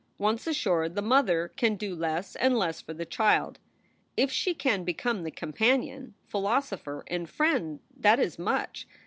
Once ashore, the mother can do less and less for the child. If she can become the compan ion, philosopher, and friend, that is much.